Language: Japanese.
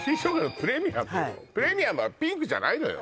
プレミアムはピンクじゃないのよ